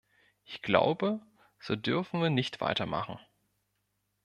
Ich glaube, so dürfen wir nicht weitermachen.